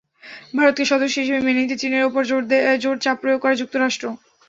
ভারতকে সদস্য হিসেবে মেনে নিতে চীনের ওপর জোর চাপ প্রয়োগ করে যুক্তরাষ্ট্র।